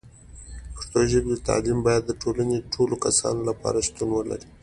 د پښتو ژبې تعلیم باید د ټولنې د ټولو کسانو لپاره شتون ولري.